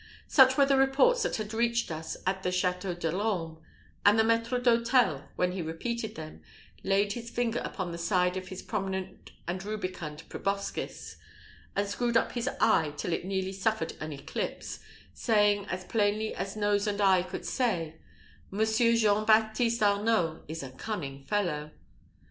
Such were the reports that had reached us at the Château de l'Orme; and the maître d'hôtel, when he repeated them, laid his finger upon the side of his prominent and rubicund proboscis, and screwed up his eye till it nearly suffered an eclipse, saying as plainly as nose and eye could say, "Monsieur Jean Baptiste Arnault is a cunning fellow."